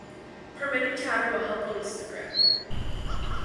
Permitting chatter will help release the grip.